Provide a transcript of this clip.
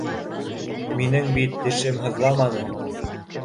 — Минең бит тешем һыҙламаны.